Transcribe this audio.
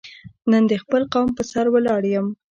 نن د خپل قوم په سر ولاړ یم.